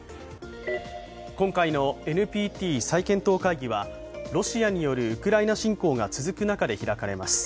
今回のＮＰＴ再検討会議は、ロシアによるウクライナ侵攻が続く中で開かれます。